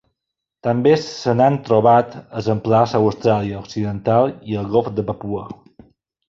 També se n'han trobat exemplars a Austràlia Occidental i al Golf de Papua.